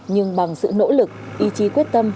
nhưng bằng sự nỗ lực ý chí quyết tâm